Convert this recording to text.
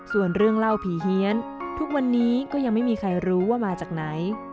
ส่วนเรื่องเล่าผีเฮียนทุกวันนี้ก็ยังไม่มีใครรู้ว่ามาจากไหน